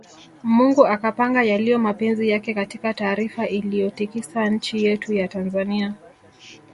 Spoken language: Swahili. Mungu akapanga yaliyo mapenzi yake Katika taarifa iliyotikisa nchi yetu ya Tanzania